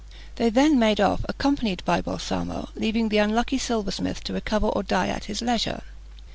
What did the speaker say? They then made off, accompanied by Balsamo, leaving the unlucky silversmith to recover or die at his leisure.